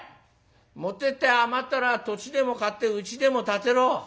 持ってって余ったら土地でも買ってうちでも建てろ」。